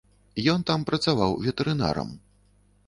Ён там працаваў ветэрынарам.